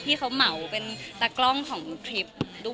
ที่เขาเหมาเป็นตากล้องของคลิป